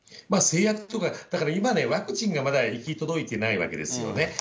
制約とか、だから、今、ワクチンがまだ行き届いてないわけですよね。